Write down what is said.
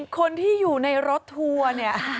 คนที่อยู่ในรถทัวร์เนี่ย